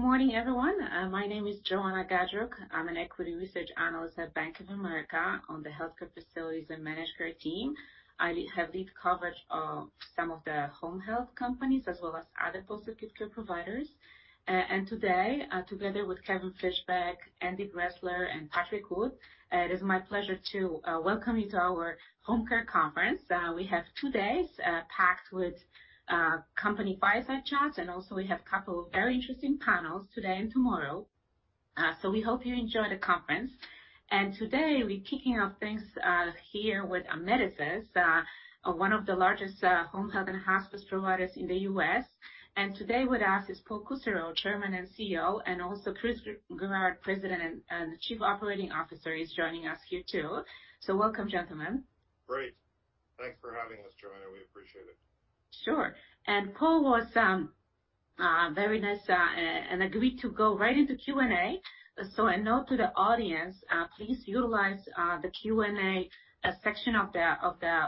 Good morning, everyone. My name is Joanna Gajuk. I'm an equity research analyst at Bank of America on the healthcare facilities and managed care team. I have lead coverage of some of the home health companies as well as other post-acute care providers. Today, together with Kevin Fischbeck, Andy Bressler, and Patrick Wood, it is my pleasure to welcome you to our home care conference. We have two days packed with company fireside chats, and also we have a couple of very interesting panels today and tomorrow. We hope you enjoy the conference. Today, we're kicking off things here with Amedisys, one of the largest home health and hospice providers in the U.S. Today with us is Paul Kusserow, Chairman and CEO, and also Chris Gerard, President and Chief Operating Officer, is joining us here too. Welcome, gentlemen. Great. Thanks for having us, Joanna. We appreciate it. Sure. Paul was very nice and agreed to go right into Q&A. A note to the audience, please utilize the Q&A section of the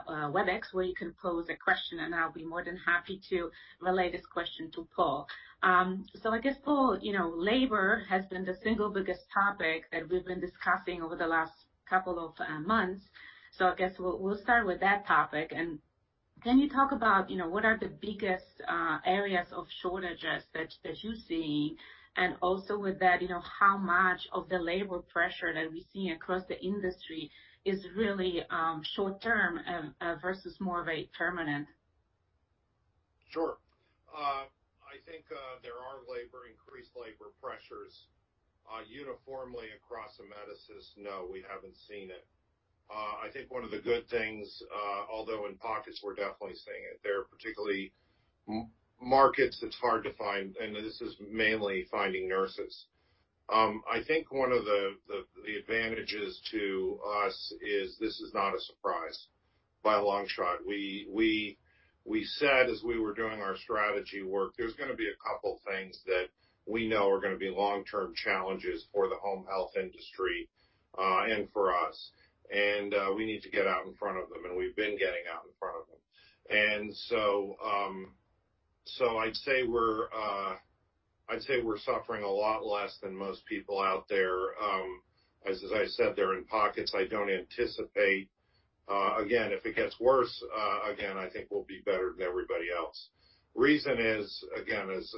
WebEx, where you can pose a question, and I'll be more than happy to relay this question to Paul. I guess, Paul, you know, labor has been the single biggest topic that we've been discussing over the last couple of months. I guess we'll start with that topic. Can you talk about, you know, what are the biggest areas of shortages that you're seeing? Also with that, you know, how much of the labor pressure that we're seeing across the industry is really short term versus more very permanent? Sure. I think there are increased labor pressures uniformly across Amedisys. No, we haven't seen it. I think one of the good things, although in pockets, we're definitely seeing it. There are particular markets where it's hard to find, and this is mainly finding nurses. I think one of the advantages to us is this is not a surprise by a long shot. We said as we were doing our strategy work, there's gonna be a couple things that we know are gonna be long-term challenges for the home health industry, and for us. We need to get out in front of them, and we've been getting out in front of them. I'd say we're suffering a lot less than most people out there. As I said, they're in pockets I don't anticipate. Again, if it gets worse, again, I think we'll be better than everybody else. Reason is, again, as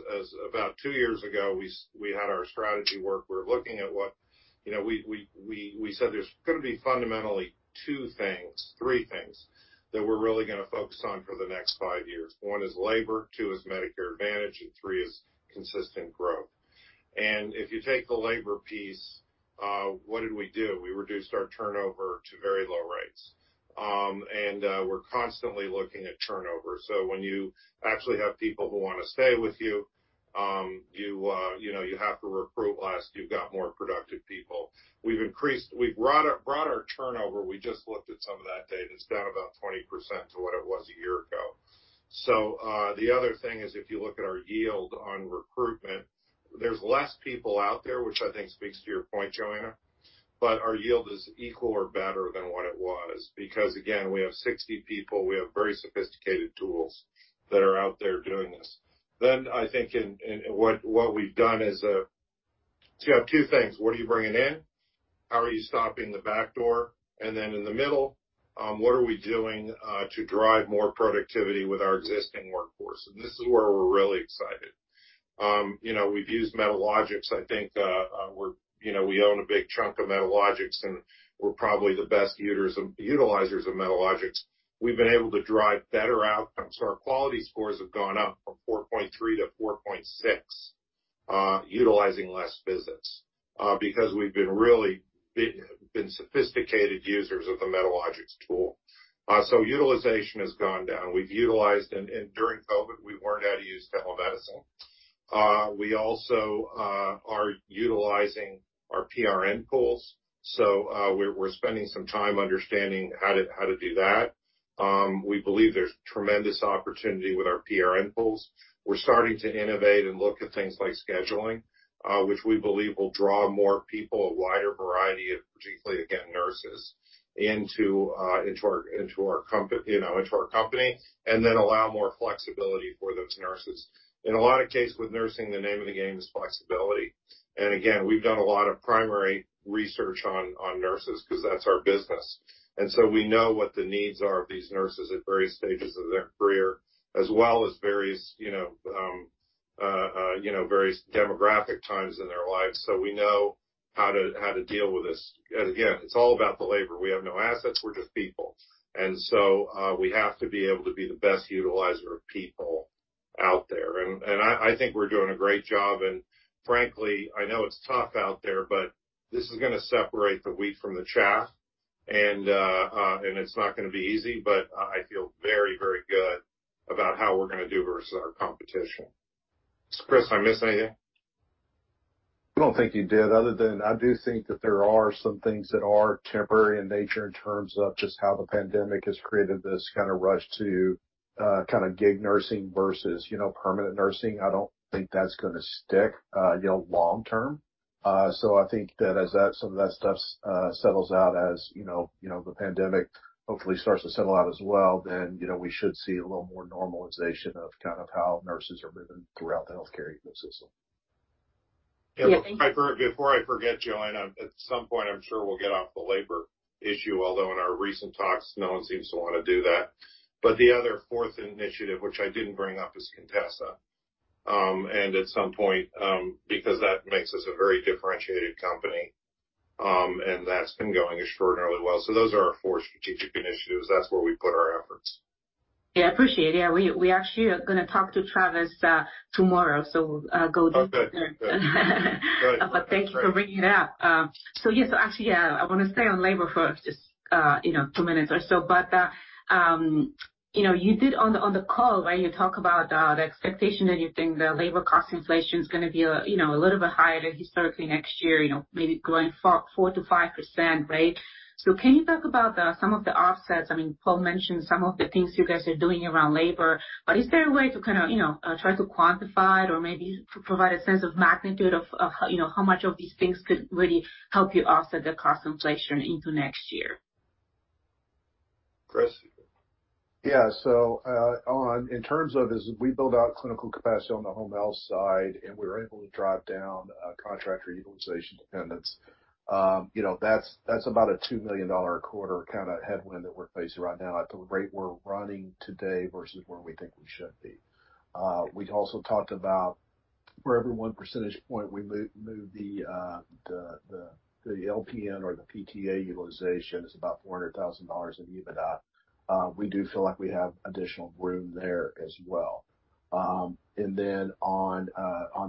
about two years ago, we had our strategy work. We're looking at what, you know, we said there's gonna be fundamentally two things, three things that we're really gonna focus on for the next five years. One is labor, two is Medicare Advantage, and three is consistent growth. If you take the labor piece, what did we do? We reduced our turnover to very low rates. We're constantly looking at turnover. When you actually have people who wanna stay with you know, you have to recruit less, you've got more productive people. We've brought our turnover. We just looked at some of that data. It's down about 20% to what it was a year ago. The other thing is, if you look at our yield on recruitment, there's less people out there, which I think speaks to your point, Joanna, but our yield is equal or better than what it was. Because, again, we have 60 people, we have very sophisticated tools that are out there doing this. I think what we've done is, so you have two things. What are you bringing in? How are you stopping the back door? In the middle, what are we doing to drive more productivity with our existing workforce? This is where we're really excited. You know, we've used Medalogix. I think, we're, you know, we own a big chunk of Medalogix, and we're probably the best utilizers of Medalogix. We've been able to drive better outcomes. Our quality scores have gone up from 4.3-4.6, utilizing less visits, because we've been really big been sophisticated users of the Medalogix tool. Utilization has gone down. We've utilized and during COVID, we've learned how to use telemedicine. We also are utilizing our PRN pools. We're spending some time understanding how to do that. We believe there's tremendous opportunity with our PRN pools. We're starting to innovate and look at things like scheduling, which we believe will draw more people, a wider variety of particularly, again, nurses into our company and then allow more flexibility for those nurses. In a lot of cases with nursing, the name of the game is flexibility. We've done a lot of primary research on nurses because that's our business. We know what the needs are of these nurses at various stages of their career, as well as various, you know, demographic times in their lives. We know how to deal with this. It's all about the labor. We have no assets, we're just people. We have to be able to be the best utilizer of people out there. I think we're doing a great job. Frankly, I know it's tough out there, but this is gonna separate the wheat from the chaff. It's not gonna be easy, but I feel very, very good about how we're gonna do versus our competition. Chris, am I missing anything? I don't think you did, other than I do think that there are some things that are temporary in nature in terms of just how the pandemic has created this kinda rush to kinda gig nursing versus, you know, permanent nursing. I don't think that's gonna stick, you know, long term. I think that as that some of that stuff settles out, as you know, the pandemic hopefully starts to settle out as well, then, you know, we should see a little more normalization of kind of how nurses are moving throughout the healthcare ecosystem. Yeah. Thank you. Before I forget, Joanna, at some point, I'm sure we'll get off the labor issue, although in our recent talks, no one seems to wanna do that. The other fourth initiative, which I didn't bring up, is Contessa. At some point, because that makes us a very differentiated company, and that's been going extraordinarily well. Those are our four strategic initiatives. That's where we put our efforts. Yeah. I appreciate it. We actually are gonna talk to Travis tomorrow, so go deep there. Okay. Good. Great. Thank you for bringing it up. Yes. Actually, I want to stay on labor for just, you know, two minutes or so. You know, you did on the call when you talk about the expectation that you think the labor cost inflation is going to be, you know, a little bit higher than historically next year, you know, maybe growing 4%-5%, right? Can you talk about some of the offsets? I mean, Paul mentioned some of the things you guys are doing around labor, but is there a way to kind of, you know, try to quantify it or maybe provide a sense of magnitude of, you know, how much of these things could really help you offset the cost inflation into next year? Chris? Yeah. In terms of as we build out clinical capacity on the home health side, and we're able to drive down contractor utilization dependence, you know, that's about a $2 million a quarter kinda headwind that we're facing right now at the rate we're running today versus where we think we should be. We'd also talked about for every one percentage point we move the LPN or the PTA utilization is about $400,000 in EBITDA. We do feel like we have additional room there as well. Then on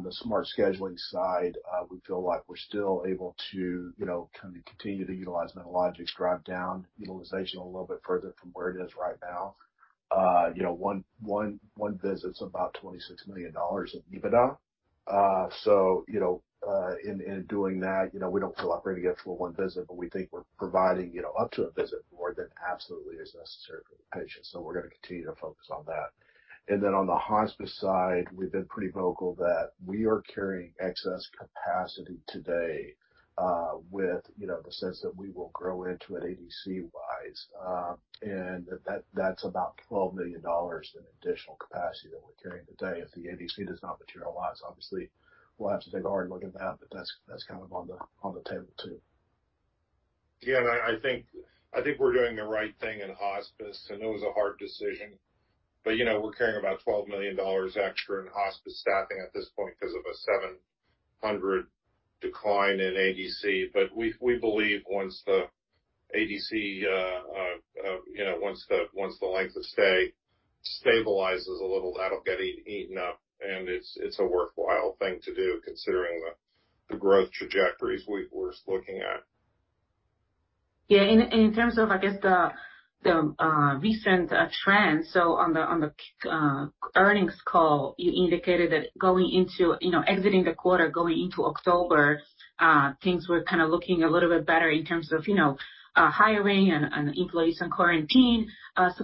the smart scheduling side, we feel like we're still able to you know kind of continue to utilize Medalogix, drive down utilization a little bit further from where it is right now. You know, one visit's about $26 million in EBITDA. You know, in doing that, you know, we don't feel operating against for one visit, but we think we're providing, you know, up to a visit more than absolutely is necessary for the patient. We're gonna continue to focus on that. On the hospice side, we've been pretty vocal that we are carrying excess capacity today, you know, with the sense that we will grow into it ADC-wise. That's about $12 million in additional capacity that we're carrying today. If the ADC does not materialize, obviously we'll have to take a hard look at that, but that's kind of on the table, too. Yeah. I think we're doing the right thing in hospice, and it was a hard decision. You know, we're carrying about $12 million extra in hospice staffing at this point 'cause of a 700 decline in ADC. We believe once the ADC you know once the length of stay stabilizes a little, that'll get eaten up, and it's a worthwhile thing to do considering the growth trajectories we're looking at. Yeah. In terms of, I guess, the recent trends, on the earnings call, you indicated that going into, you know, exiting the quarter, going into October, things were kinda looking a little bit better in terms of, you know, hiring and employees on quarantine.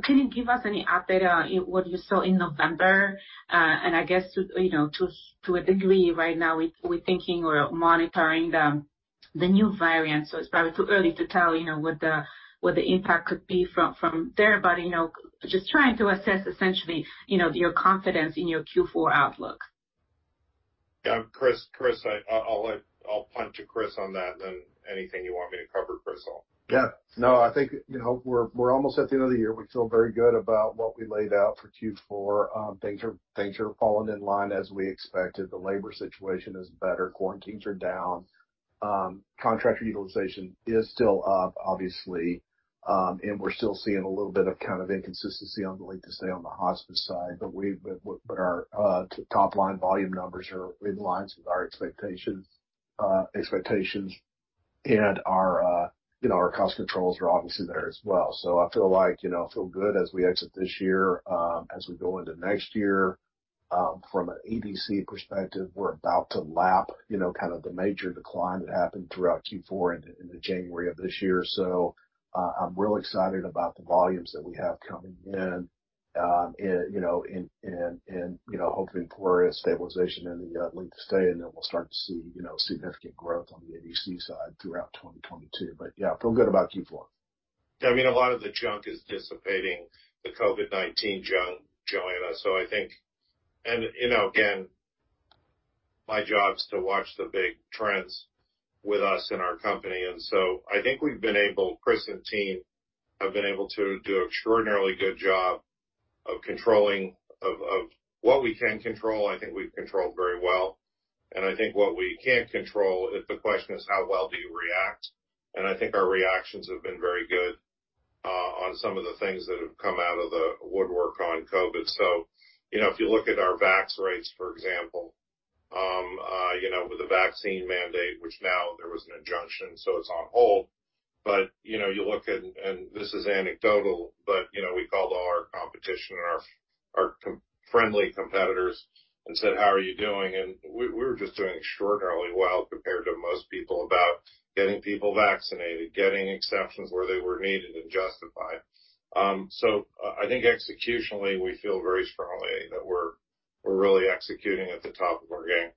Can you give us any update on what you saw in November? I guess to a degree right now, we're thinking or monitoring the new variant, so it's probably too early to tell, you know, what the impact could be from there. Just trying to assess essentially, you know, your confidence in your Q4 outlook. Yeah. Chris, I'll punt to Chris on that, then anything you want me to cover, Chris, I'll. Yeah. No, I think, you know, we're almost at the end of the year. We feel very good about what we laid out for Q4. Things are falling in line as we expected. The labor situation is better. Quarantines are down. Contractor utilization is still up, obviously, and we're still seeing a little bit of kind of inconsistency on the length of stay on the hospice side. Our top line volume numbers are in line with our expectations. Our, you know, our cost controls are obviously there as well. I feel like, you know, I feel good as we exit this year, as we go into next year. From an ADC perspective, we're about to lap, you know, kind of the major decline that happened throughout Q4 into January of this year. I'm really excited about the volumes that we have coming in, and, you know, hoping for a stabilization in the length of stay, and then we'll start to see, you know, significant growth on the ADC side throughout 2022. Yeah, feel good about Q4. I mean, a lot of the junk is dissipating, the COVID-19 junk, Joanna. I think you know, again, my job is to watch the big trends with us in our company. I think we've been able, Chris and team have been able to do an extraordinarily good job of controlling what we can control. I think we've controlled very well. I think what we can't control, if the question is, how well do you react? I think our reactions have been very good on some of the things that have come out of the woodwork on COVID. You know, if you look at our vax rates, for example, you know, with the vaccine mandate, which now there was an injunction, so it's on hold. You know, you look at, and this is anecdotal, but you know, we called all our competition and our friendly competitors and said, "How are you doing?" We were just doing extraordinarily well compared to most people about getting people vaccinated, getting exceptions where they were needed and justified. So I think executionally, we feel very strongly that we're really executing at the top of our game.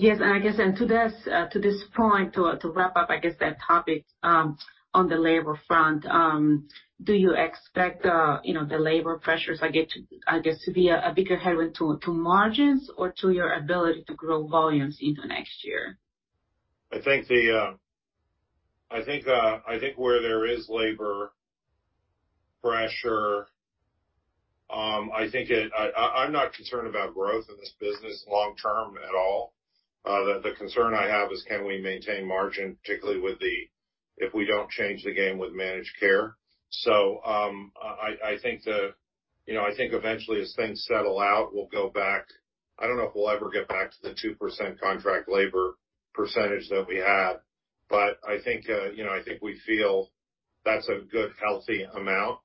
Yes, I guess to this point, to wrap up that topic on the labor front, do you expect, you know, the labor pressures, I guess, to be a bigger headwind to margins or to your ability to grow volumes into next year? I think where there is labor pressure, I'm not concerned about growth in this business long term at all. The concern I have is, can we maintain margin, particularly if we don't change the game with managed care. I think, you know, I think eventually as things settle out, we'll go back. I don't know if we'll ever get back to the 2% contract labor percentage that we had, but I think, you know, I think we feel that's a good, healthy amount.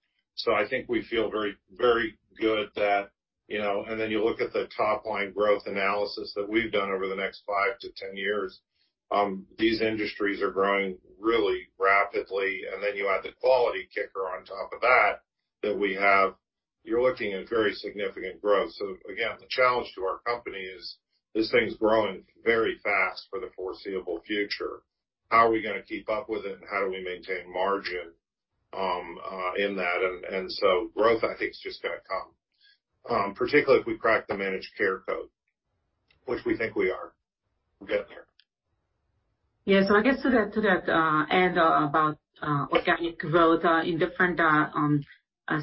I think we feel very, very good that, you know, and then you look at the top line growth analysis that we've done over the next five to 10 years, these industries are growing really rapidly. You add the quality kicker on top of that that we have. You're looking at very significant growth. Again, the challenge to our company is this thing's growing very fast for the foreseeable future. How are we gonna keep up with it, and how do we maintain margin in that? Growth, I think, is just gonna come, particularly if we crack the managed care code, which we think we are. We're getting there. I guess to that end about organic growth in different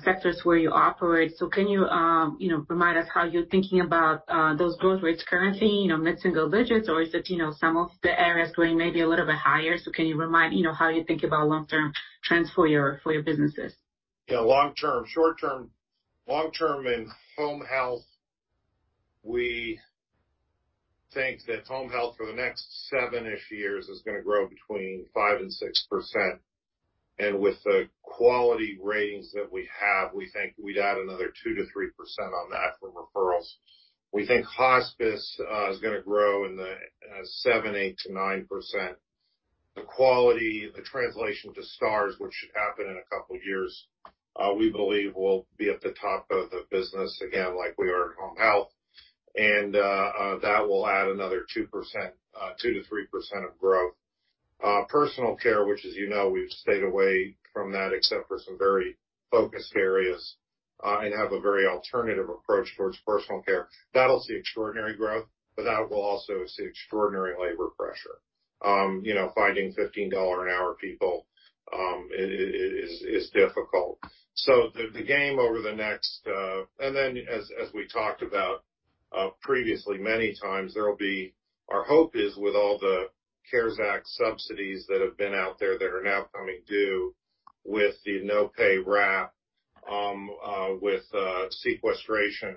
sectors where you operate. Can you know, remind us how you're thinking about those growth rates currently, you know, mid-single digits, or is it, you know, some of the areas growing maybe a little bit higher? Can you remind, you know, how you think about long-term trends for your businesses? Yeah. Long-term. Short-term. Long-term in home health, we think that home health for the next seven-ish years is gonna grow between 5% and 6%. With the quality ratings that we have, we think we'd add another 2%-3% on that from referrals. We think hospice is gonna grow in the 7%-9%. The quality, the translation to stars, which should happen in a couple years, we believe will be at the top of the business again, like we are in home health, and that will add another 2%-3% of growth. Personal care, which as you know, we've stayed away from that except for some very focused areas, and have a very alternative approach towards personal care. That'll see extraordinary growth, but that will also see extraordinary labor pressure. You know, finding $15-an-hour people is difficult. As we talked about previously many times, our hope is with all the CARES Act subsidies that have been out there that are now coming due with the no-pay waiver, with sequestration,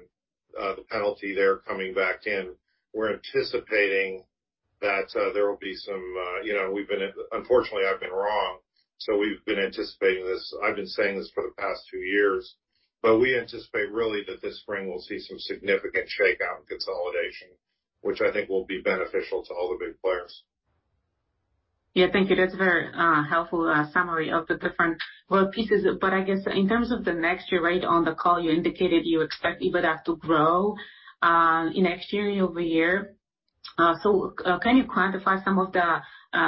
the penalty there coming back in, we're anticipating that there will be some. You know, unfortunately, I've been wrong, so we've been anticipating this. I've been saying this for the past two years, but we anticipate really that this spring we'll see some significant shakeout and consolidation, which I think will be beneficial to all the big players. Yeah, I think it is a very helpful summary of the different pieces. I guess in terms of the next year, right on the call, you indicated you expect EBITDA to grow year-over-year next year. Can you quantify some of the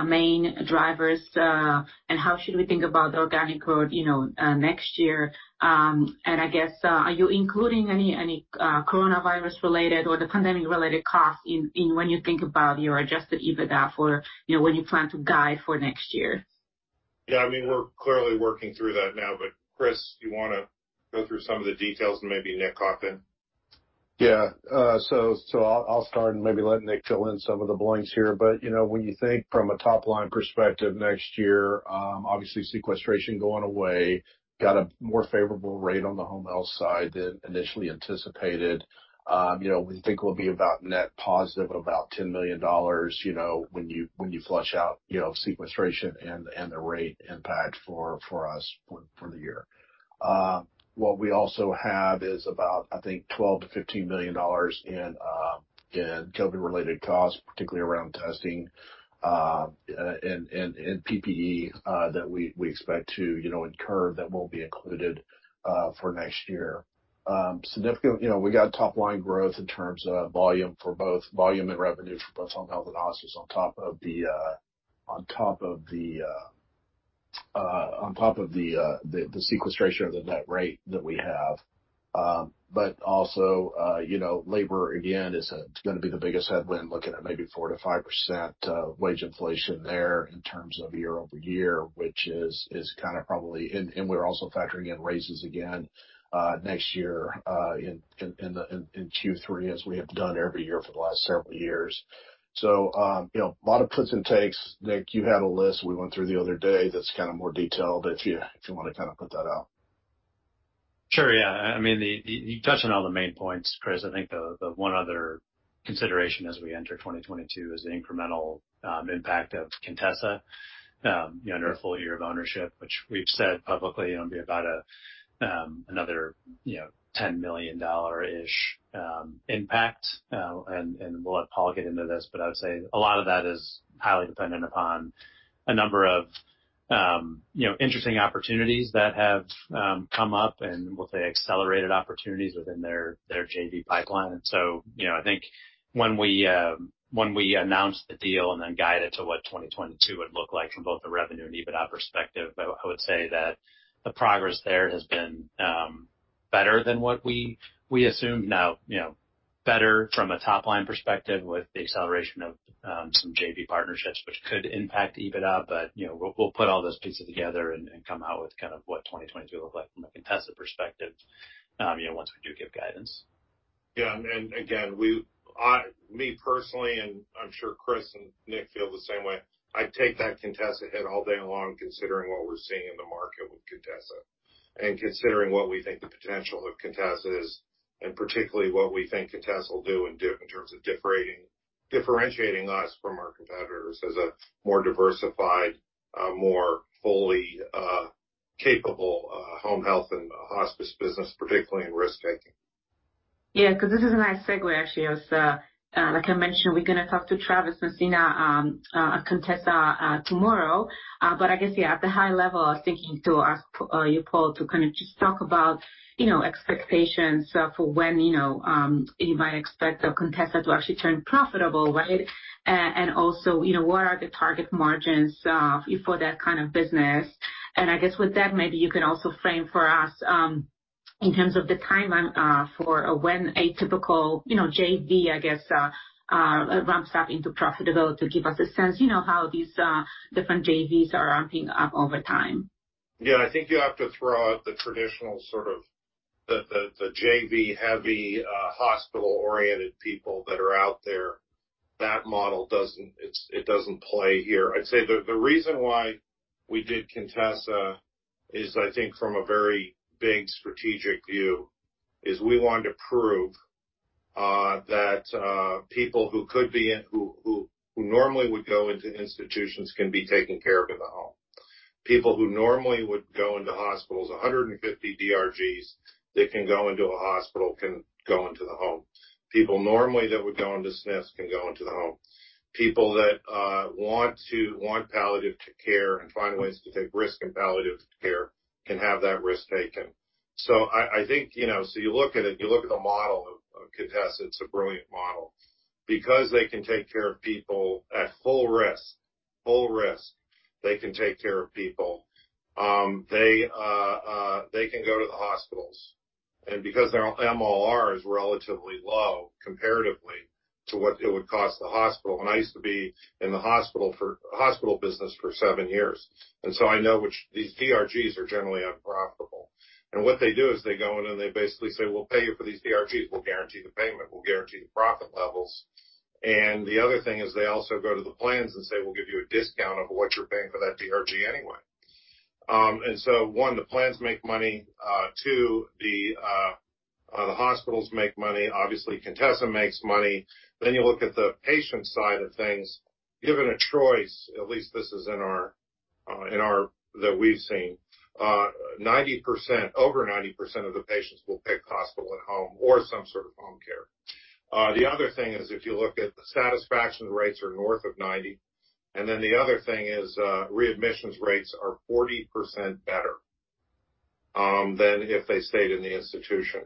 main drivers and how should we think about organic growth, you know, next year? I guess, are you including any coronavirus-related or the pandemic-related costs in when you think about your adjusted EBITDA for, you know, when you plan to guide for next year? Yeah, I mean, we're clearly working through that now, but Chris, you wanna go through some of the details and maybe Nick hop in? I'll start and maybe let Nick fill in some of the blanks here. You know, when you think from a top-line perspective next year, obviously sequestration going away, got a more favorable rate on the home health side than initially anticipated. You know, we think we'll be about net positive, about $10 million, you know, when you flesh out, you know, sequestration and the rate impact for us for the year. What we also have is about, I think, $12 million-$15 million in COVID-related costs, particularly around testing and PPE, that we expect to, you know, incur that will be included for next year. Significant, you know, we got top-line growth in terms of volume and revenue for both home health and hospice on top of the sequestration of the net rate that we have. But also, you know, labor again is gonna be the biggest headwind, looking at maybe 4%-5% wage inflation there in terms of year-over-year, which is kinda probably. We're also factoring in raises again next year in Q3 as we have done every year for the last several years. You know, a lot of puts and takes. Nick, you had a list we went through the other day that's kinda more detailed, if you wanna kinda put that out. Sure. Yeah. I mean, you touched on all the main points, Chris. I think the one other consideration as we enter 2022 is the incremental impact of Contessa, you know, under a full year of ownership, which we've said publicly it'll be about, you know, another $10 million-ish impact. And we'll let Paul get into this, but I would say a lot of that is highly dependent upon a number of, you know, interesting opportunities that have come up, and we'll say accelerated opportunities within their JV pipeline. You know, I think when we announced the deal and then guided to what 2022 would look like from both a revenue and EBITDA perspective, I would say that the progress there has been better than what we assumed. Now, you know, better from a top line perspective with the acceleration of some JV partnerships which could impact EBITDA. You know, we'll put all those pieces together and come out with kind of what 2022 will look like from a Contessa perspective, once we do give guidance. Yeah. Again, me personally, and I'm sure Chris and Nick feel the same way, I take that Contessa hit all day long considering what we're seeing in the market with Contessa, and considering what we think the potential of Contessa is, and particularly what we think Contessa will do in terms of differentiating us from our competitors as a more diversified, more fully capable home health and hospice business, particularly in risk taking. Yeah, because this is a nice segue actually, as like I mentioned, we're gonna talk to Travis Messina at Contessa tomorrow. But I guess, yeah, at the high level, I was thinking to ask you, Paul, to kind of just talk about, you know, expectations for when, you know, you might expect Contessa to actually turn profitable, right? And also, you know, what are the target margins for that kind of business? And I guess with that, maybe you can also frame for us in terms of the timeline for when a typical JV, I guess, ramps up into profitability. Give us a sense, you know, how these different JVs are ramping up over time. Yeah. I think you have to throw out the traditional sort of JV heavy, hospital-oriented people that are out there. That model doesn't play here. I'd say the reason why we did Contessa is, I think, from a very big strategic view, we wanted to prove that people who normally would go into institutions can be taken care of in the home. People who normally would go into hospitals, 150 DRGs that can go into a hospital, can go into the home. People normally that would go into SNFs can go into the home. People that want palliative care and find ways to take risk in palliative care can have that risk taken. I think, you know, you look at the model of Contessa, it's a brilliant model because they can take care of people at full risk. Full risk, they can take care of people. They can go to the hospitals. Because their MLR is relatively low comparatively to what it would cost the hospital. I used to be in the hospital business for seven years, and I know these DRGs are generally unprofitable. What they do is they go in and they basically say, "We'll pay you for these DRGs. We'll guarantee the payment, we'll guarantee the profit levels." The other thing is they also go to the plans and say, "We'll give you a discount of what you're paying for that DRG anyway." One, the plans make money. Two, the hospitals make money. Obviously, Contessa makes money. You look at the patient side of things. Given a choice, at least this is in our that we've seen, 90%, over 90% of the patients will pick hospital at home or some sort of home care. The other thing is, if you look at the satisfaction rates are north of 90, The other thing is, readmissions rates are 40% better than if they stayed in the institution.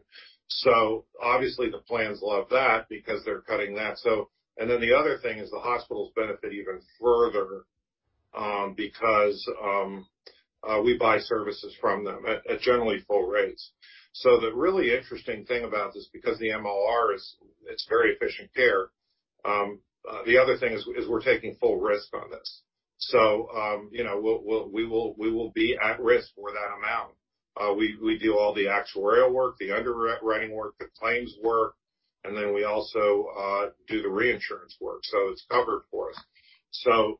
Obviously the plans love that because they're cutting that. The other thing is the hospitals benefit even further, because we buy services from them at generally full rates. The really interesting thing about this, because the MLR is, it's very efficient care. The other thing is we're taking full risk on this. You know, we will be at risk for that amount. We do all the actuarial work, the underwriting work, the claims work, and then we also do the reinsurance work, so it's covered for us.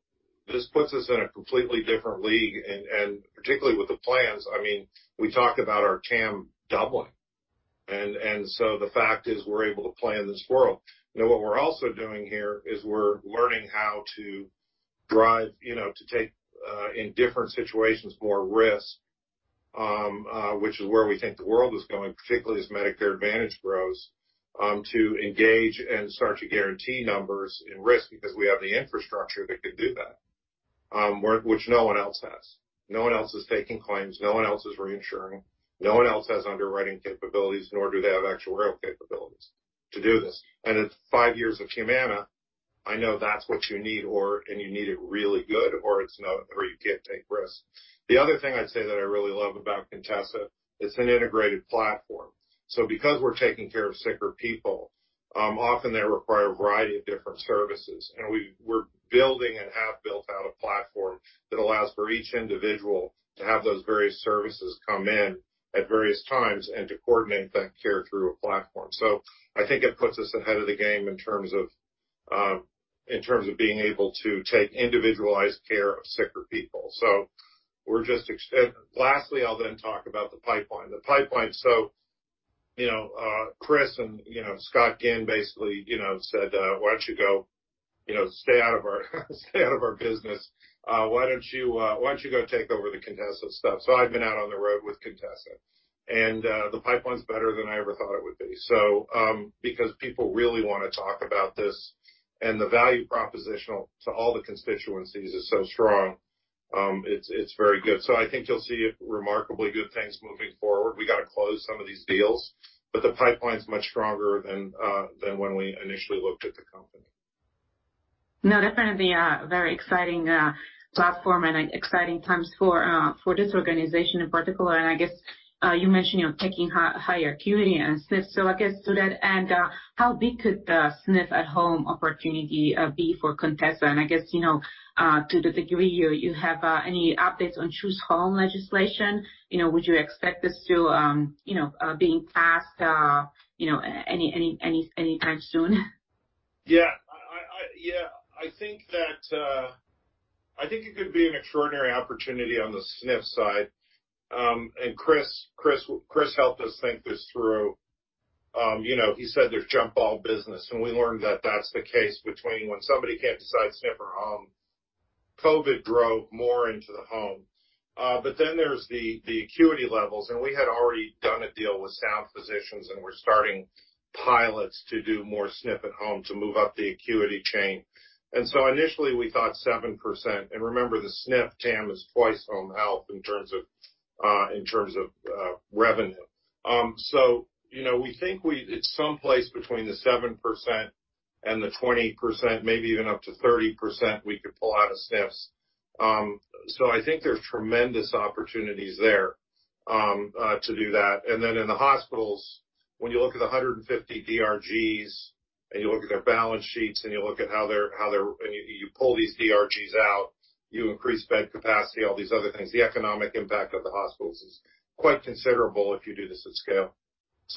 This puts us in a completely different league. Particularly with the plans, I mean, we talk about our TAM doubling. The fact is we're able to play in this world. Now, what we're also doing here is we're learning how to drive, you know, to take in different situations more risk, which is where we think the world is going, particularly as Medicare Advantage grows, to engage and start to guarantee numbers in risk because we have the infrastructure that can do that, which no one else has. No one else is taking claims. No one else is reinsuring. No one else has underwriting capabilities, nor do they have actuarial capabilities to do this. In five years of Humana, I know that's what you need and you need it really good or it's not, or you can't take risks. The other thing I'd say that I really love about Contessa, it's an integrated platform. Because we're taking care of sicker people, often they require a variety of different services. We're building and have built out a platform that allows for each individual to have those various services come in at various times and to coordinate that care through a platform. I think it puts us ahead of the game in terms of being able to take individualized care of sicker people. Lastly, I'll then talk about the pipeline. The pipeline, you know, Chris and, you know, Scott Ginn basically, you know, said, "Why don't you go, you know, stay out of our business. Why don't you go take over the Contessa stuff?" I've been out on the road with Contessa. The pipeline's better than I ever thought it would be. Because people really wanna talk about this, and the value proposition to all the constituencies is so strong, it's very good. I think you'll see remarkably good things moving forward. We gotta close some of these deals, but the pipeline's much stronger than when we initially looked at the company. No, definitely a very exciting platform and an exciting times for this organization in particular. I guess you mentioned, you know, taking higher acuity and SNF. I guess to that, how big could the SNF at home opportunity be for Contessa? I guess, you know, to the degree you have any updates on Choose Home legislation. You know, would you expect this to being passed anytime soon? Yeah. I think it could be an extraordinary opportunity on the SNF side. Chris helped us think this through. You know, he said there's jump ball business, and we learned that that's the case between when somebody can't decide SNF or home. COVID drove more into the home. But then there's the acuity levels, and we had already done a deal with Sound Physicians, and we're starting pilots to do more SNF at home to move up the acuity chain. Initially, we thought 7%. Remember, the SNF TAM is twice home health in terms of revenue. You know, we think it's someplace between the 7% and the 20%, maybe even up to 30% we could pull out of SNFs. I think there's tremendous opportunities there, to do that. Then in the hospitals, when you look at the 150 DRGs, and you look at their balance sheets, and you look at how they're and you pull these DRGs out, you increase bed capacity, all these other things. The economic impact of the hospitals is quite considerable if you do this at scale.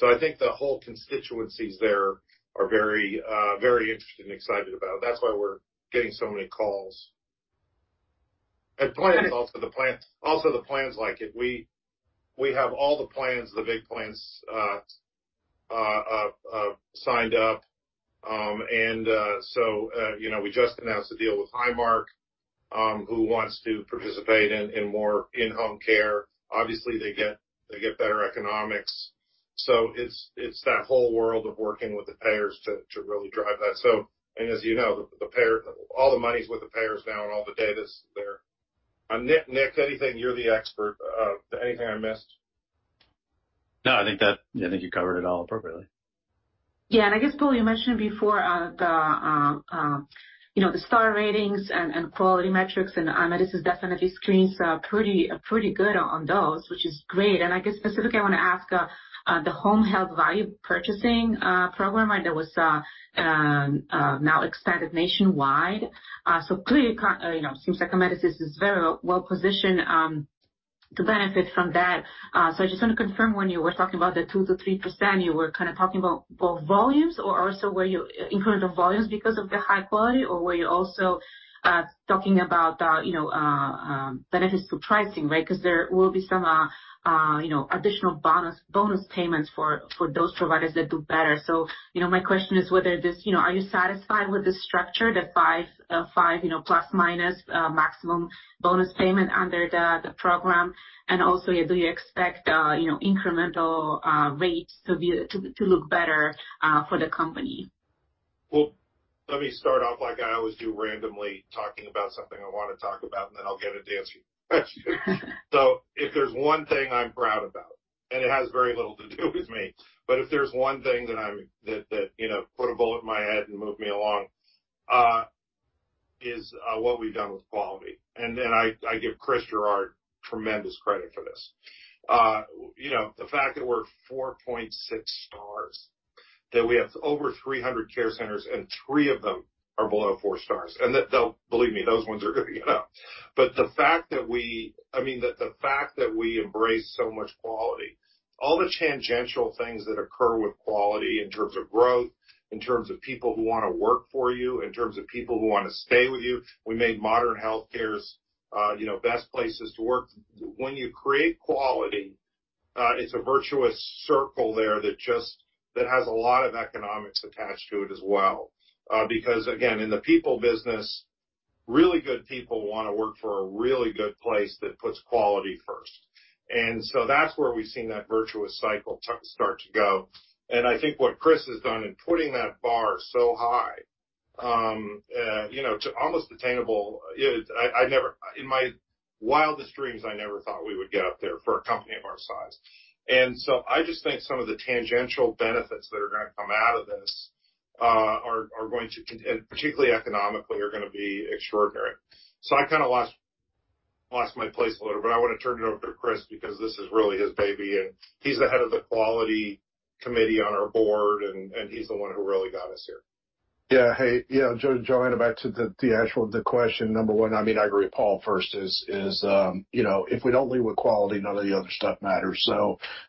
I think the whole constituencies there are very, very interested and excited about it. That's why we're getting so many calls. Plans also. Also, the plans like it. We have all the plans, the big plans, signed up. You know, we just announced a deal with Highmark, who wants to participate in more in-home care. Obviously, they get better economics. It's that whole world of working with the payers to really drive that. As you know, the payer, all the money's with the payers now and all the data's there. Nick, anything? You're the expert. Anything I missed? No, I think you covered it all appropriately. Yeah. I guess, Paul, you mentioned before, you know, the star ratings and quality metrics. Amedisys definitely screens pretty good on those, which is great. I guess specifically, I wanna ask the Home Health Value-Based Purchasing program, right, that was now expanded nationwide. Clearly you know, seems like Amedisys is very well-positioned to benefit from that. I just wanna confirm, when you were talking about the 2%-3%, you were kinda talking about both volumes or also incremental volumes because of the high quality? Or were you also talking about you know, benefits to pricing, right? 'Cause there will be some you know, additional bonus payments for those providers that do better. You know, my question is whether this, you know, are you satisfied with the structure, the five, you know, plus minus, maximum bonus payment under the program? Also, do you expect, you know, incremental rates to look better for the company? Well, let me start off like I always do randomly, talking about something I wanna talk about, and then I'll get it to answer you. If there's one thing I'm proud about, and it has very little to do with me. If there's one thing that you know put a bullet in my head and move me along is what we've done with quality. I give Chris Gerard tremendous credit for this. You know, the fact that we're 4.6 stars, that we have over 300 care centers and three of them are below four stars. They'll, believe me, those ones are gonna go up. The fact that we embrace so much quality, all the tangential things that occur with quality in terms of growth, in terms of people who wanna work for you, in terms of people who wanna stay with you. We made modern healthcares, you know, best places to work. When you create quality, it's a virtuous circle there that has a lot of economics attached to it as well. Because again, in the people business, really good people wanna work for a really good place that puts quality first. That's where we've seen that virtuous cycle start to go. I think what Chris has done in putting that bar so high to almost attainable. You know, I never. In my wildest dreams, I never thought we would get up there for a company of our size. I just think some of the tangential benefits that are gonna come out of this are and particularly economically, are gonna be extraordinary. I kinda lost my place a little, but I wanna turn it over to Chris because this is really his baby, and he's the head of the quality committee on our board, and he's the one who really got us here. Yeah. Hey, yeah, Joanna, back to the actual question number one. I mean, I agree with Paul. First is, you know, if we don't lead with quality, none of the other stuff matters.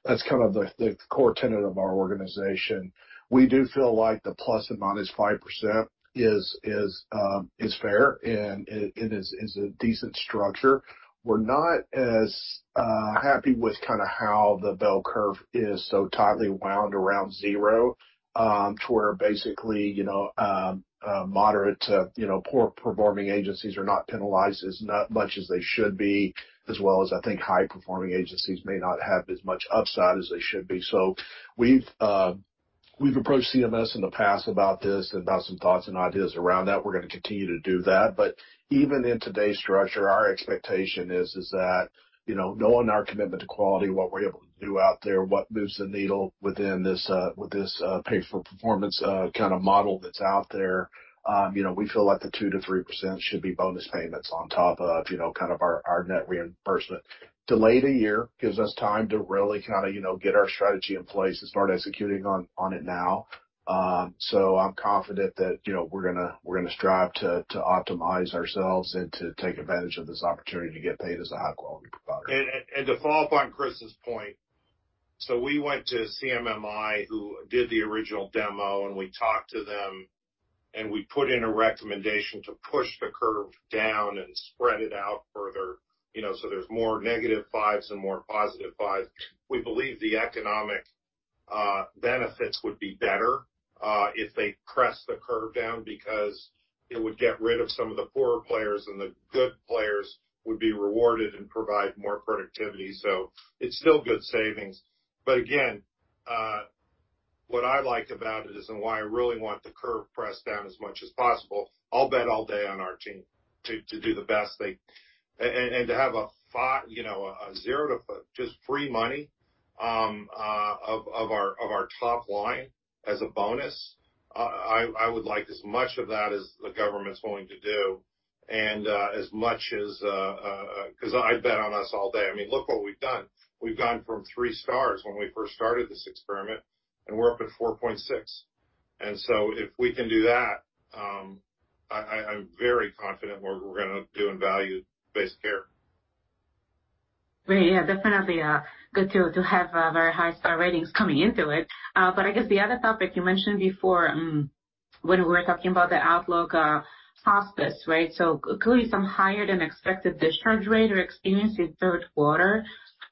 That's kind of the core tenet of our organization. We do feel like the plus and minus 5% is fair and it is a decent structure. We're not as happy with kinda how the bell curve is so tightly wound around zero to where basically, you know, moderate to poor performing agencies are not penalized as much as they should be, as well as I think high performing agencies may not have as much upside as they should be. We've approached CMS in the past about this and about some thoughts and ideas around that. We're gonna continue to do that. But even in today's structure, our expectation is that, you know, knowing our commitment to quality, what we're able to do out there, what moves the needle within this, with this, pay for performance, kind of model that's out there, you know, we feel like the 2%-3% should be bonus payments on top of, you know, kind of our net reimbursement. Delayed a year gives us time to really kinda, you know, get our strategy in place and start executing on it now. I'm confident that, you know, we're gonna strive to optimize ourselves and to take advantage of this opportunity to get paid as a high quality provider. To follow up on Chris' point. We went to CMMI, who did the original demo, and we talked to them, and we put in a recommendation to push the curve down and spread it out further, you know, so there's more negative fives and more positive fives. We believe the economic benefits would be better if they press the curve down because it would get rid of some of the poorer players, and the good players would be rewarded and provide more productivity. It's still good savings. But again, what I liked about it is, and why I really want the curve pressed down as much as possible, I'll bet all day on our team to do the best they. To have a five, you know, a zero to five just free money of our top line as a bonus, I would like as much of that as the government's willing to do and as much as. 'Cause I bet on us all day. I mean, look what we've done. We've gone from three stars when we first started this experiment, and we're up at 4.6. If we can do that, I'm very confident what we're gonna do in value-based care. Great. Yeah, definitely, good to have very high star ratings coming into it. I guess the other topic you mentioned before, when we were talking about the outlook, hospice, right? Clearly some higher than expected discharge rate you experienced in third quarter.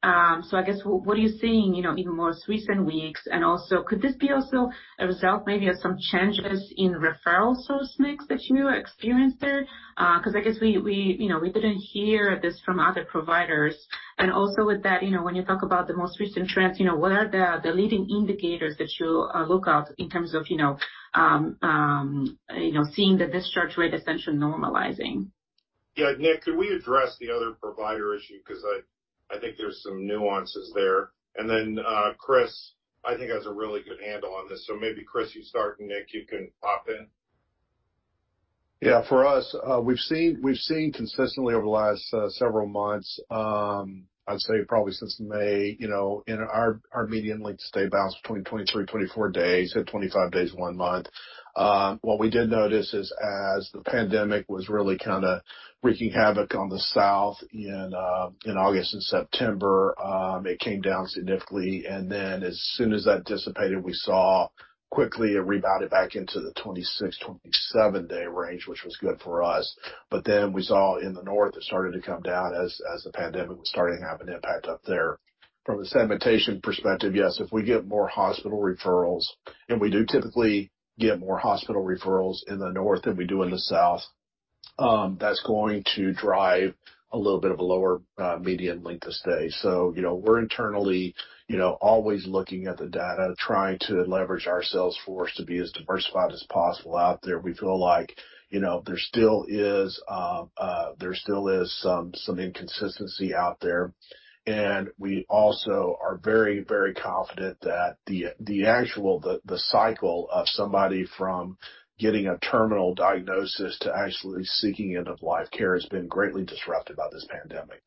I guess what are you seeing, you know, even most recent weeks? And also could this be also a result maybe of some changes in referral source mix that you experienced there? Because I guess we, you know, we didn't hear this from other providers. And also with that, you know, when you talk about the most recent trends, you know, what are the leading indicators that you look out in terms of, you know, seeing the discharge rate essentially normalizing? Yeah. Nick, could we address the other provider issue because I think there's some nuances there. Chris, I think has a really good handle on this. Maybe Chris, you start, Nick, you can pop in. Yeah. For us, we've seen consistently over the last several months, I'd say probably since May, you know, and our median length of stay bounced between 23, 24 days, hit 25 days one month. What we did notice is, as the pandemic was really kinda wreaking havoc on the South in August and September, it came down significantly. As soon as that dissipated, we saw quickly it rebounded back into the 26, 27 day range, which was good for us. We saw in the North, it started to come down as the pandemic was starting to have an impact up there. From a segmentation perspective, yes, if we get more hospital referrals, and we do typically get more hospital referrals in the North than we do in the South, that's going to drive a little bit of a lower median length of stay. You know, we're internally, you know, always looking at the data, trying to leverage our sales force to be as diversified as possible out there. We feel like, you know, there still is some inconsistency out there. We also are very, very confident that the actual cycle of somebody from getting a terminal diagnosis to actually seeking end of life care has been greatly disrupted by this pandemic.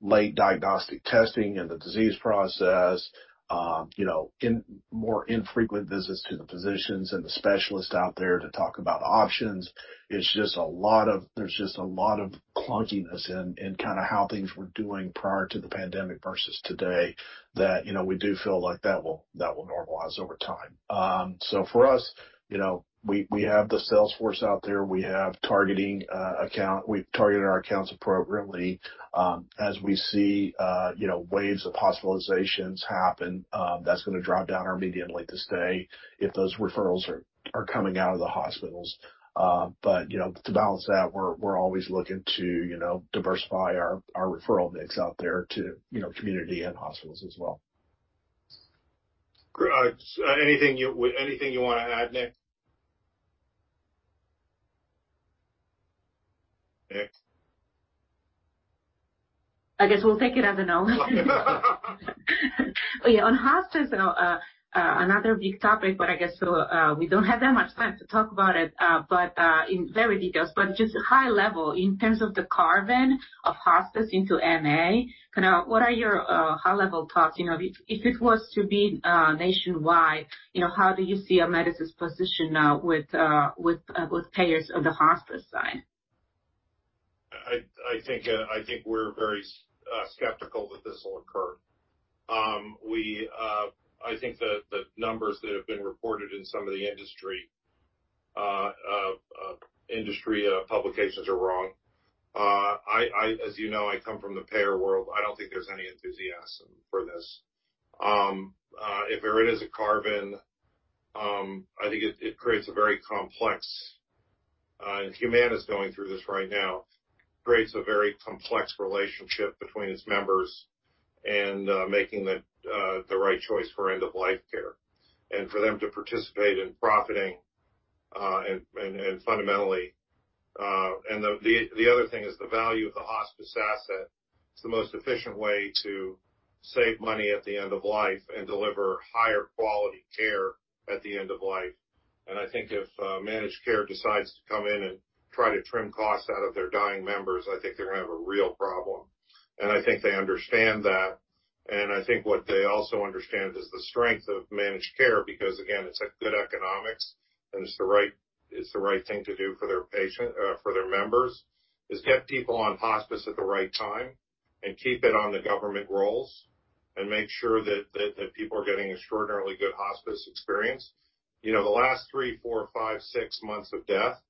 Late diagnostic testing in the disease process, you know, more infrequent visits to the physicians and the specialists out there to talk about options. There's just a lot of clunkiness in kinda how things were doing prior to the pandemic versus today that, you know, we do feel like that will normalize over time. For us, you know, we have the sales force out there. We have targeted accounts. We've targeted our accounts appropriately. As we see, you know, waves of hospitalizations happen, that's gonna drive down our median length of stay if those referrals are coming out of the hospitals. To balance that, you know, we're always looking to, you know, diversify our referral mix out there to, you know, community and hospitals as well. Great. Anything you wanna add, Nick? Nick? I guess we'll take it as a no. Oh, yeah, on hospice, another big topic, but I guess we don't have that much time to talk about it, but just high level, in terms of the carving of hospice into MA, kinda what are your high level thoughts? You know, if it was to be nationwide, you know, how do you see Amedisys positioned with payers on the hospice side? I think we're very skeptical that this will occur. I think the numbers that have been reported in some of the industry publications are wrong. As you know, I come from the payer world. I don't think there's any enthusiasm for this. If there is a carve-in, I think it creates a very complex and Humana's going through this right now, creating a very complex relationship between its members and making the right choice for end-of-life care. For them to participate in profiting and fundamentally, the other thing is the value of the hospice asset. It's the most efficient way to save money at the end of life and deliver higher quality care at the end of life. I think if managed care decides to come in and try to trim costs out of their dying members, I think they're gonna have a real problem. I think they understand that. I think what they also understand is the strength of managed care, because again, it's, like, good economics, and it's the right thing to do for their patient, or for their members, is get people on hospice at the right time and keep it on the government rolls, and make sure that people are getting extraordinarily good hospice experience. You know, the last 3, 4, 5, 6 months of death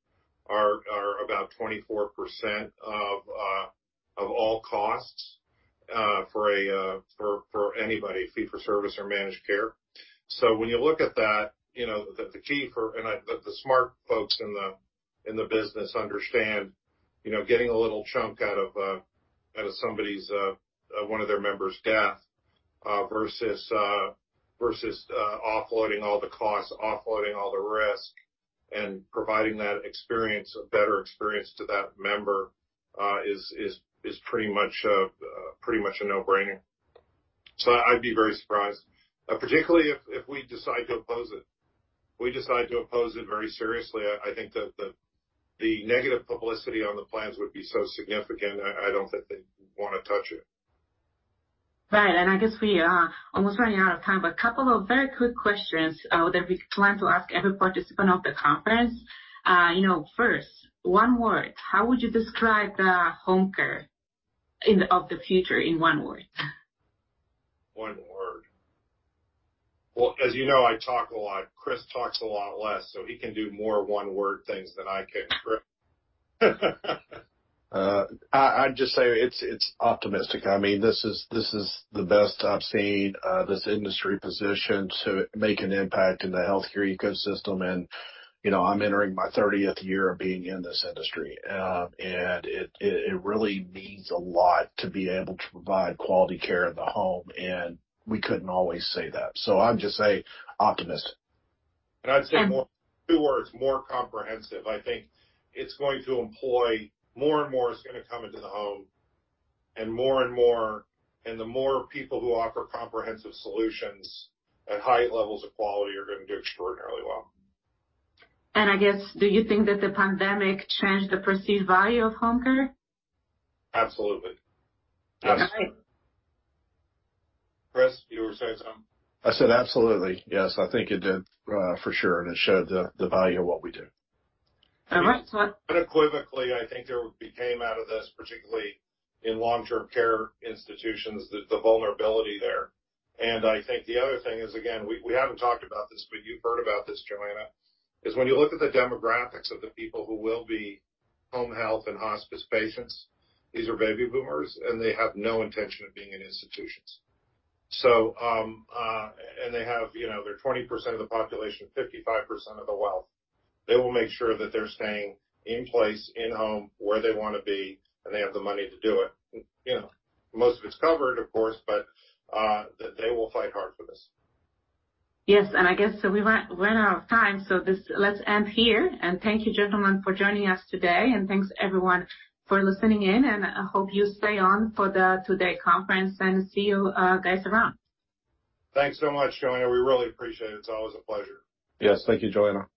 are about 24% of all costs for anybody, fee for service or managed care. When you look at that, you know, the key for the smart folks in the business understand, you know, getting a little chunk out of somebody's one of their members' death versus offloading all the costs, offloading all the risk, and providing that experience, a better experience to that member is pretty much a no-brainer. I'd be very surprised, particularly if we decide to oppose it very seriously. I think the negative publicity on the plans would be so significant, I don't think they'd wanna touch it. Right. I guess we are almost running out of time. A couple of very quick questions that we plan to ask every participant of the conference. You know, first, one word. How would you describe the home care of the future in one word? One word. Well, as you know, I talk a lot. Chris talks a lot less, so he can do more one-word things than I can, Chris. I just say it's optimistic. I mean, this is the best I've seen this industry positioned to make an impact in the healthcare ecosystem. You know, I'm entering my thirtieth year of being in this industry. It really means a lot to be able to provide quality care in the home, and we couldn't always say that. I'll just say optimistic. And. I'd say two words: more comprehensive. I think more and more is gonna come into the home, and more and more, and the more people who offer comprehensive solutions at high levels of quality are gonna do extraordinarily well. I guess, do you think that the pandemic changed the perceived value of home care? Absolutely. Absolutely. All right. Chris, you were saying something? I said absolutely. Yes, I think it did, for sure, and it showed the value of what we do. All right. Unequivocally, I think there became out of this, particularly in long-term care institutions, the vulnerability there. I think the other thing is, again, we haven't talked about this, but you've heard about this, Joanna, is when you look at the demographics of the people who will be home health and hospice patients, these are baby boomers, and they have no intention of being in institutions. They have, you know, they're 20% of the population, 55% of the wealth. They will make sure that they're staying in place, in home, where they wanna be, and they have the money to do it. You know, most of it's covered, of course, but they will fight hard for this. Yes. I guess we ran out of time. Let's end here. Thank you, gentlemen, for joining us today. Thanks everyone for listening in, and I hope you stay on for today's conference and see you guys around. Thanks so much, Joanna. We really appreciate it. It's always a pleasure. Yes. Thank you, Joanna. Bye.